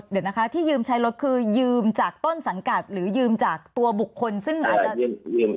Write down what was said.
เดี๋ยวนะคะที่ยืมใช้รถคือยืมจากต้นสังกัดหรือยืมจากตัวบุคคลซึ่งอาจจะ